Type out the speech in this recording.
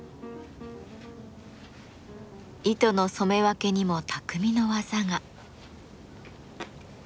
糸の染め分けにも匠の技が。